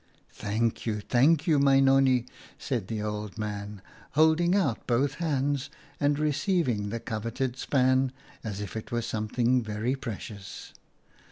" Thank you, thank you, my Nonnie," said the old man, holding out both hands, and 28 OUTA KAREL'S STORIES receiving the coveted span as if it were some thing very precious.